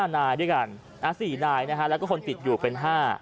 ๕นายด้วยกัน๔นายนะฮะแล้วก็คนติดอยู่เป็น๕